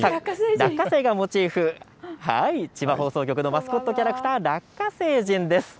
落花生がモチーフ、千葉放送局のマスコットキャラクターラッカ星人です。